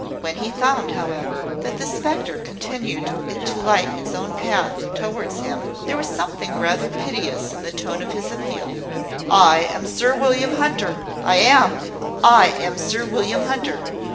When he found, however, that the spectre continued to light its own path towards him, there was something rather piteous in the tone of his appeal: "I am Sir William Hunter! I am I am Sir William Hunter!"